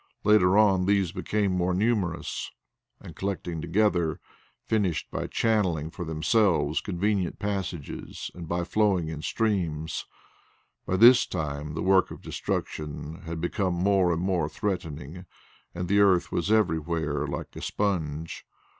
Later on these became more numerous, and collecting together, finished by channelling for themselves convenient passages and by flowing in streams. By this time the work of destruction had become more and more threatening and the earth was everywhere like a sponge.